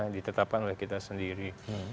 ditetapkan oleh kita sendiri